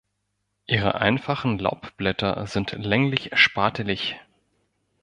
Ihre einfachen Laubblätter sind länglich-spatelig.